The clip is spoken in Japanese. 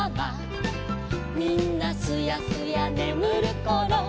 「みんなすやすやねむるころ」